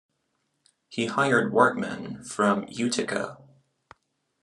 He hired workmen from Utica.